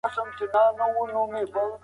اګوست کنت داسې نظر درلود.